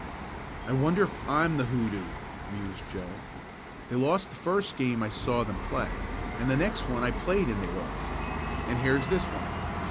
"I wonder if I'm the hoodoo?" mused Joe. "They lost the first game I saw them play, and the next one I played in they lost, and here's this one.